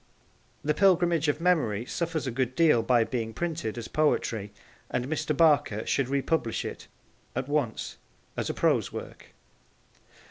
The Pilgrimage of Memory suffers a good deal by being printed as poetry, and Mr. Barker should republish it at once as a prose work.